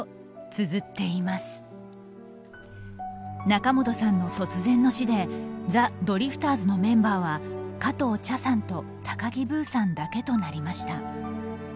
仲本さんの突然の死でザ・ドリフターズのメンバーは加藤茶さんと高木ブーさんだけとなりました。